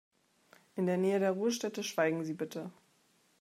In der Nähe der Ruhestätte schweigen Sie bitte.